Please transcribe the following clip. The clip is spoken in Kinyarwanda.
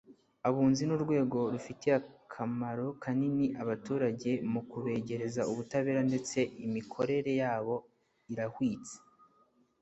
abunzi ni urwego rufitiye akamaro kanini abaturage mu kubegereza ubutabera ndetse imikorere yabo irahwitse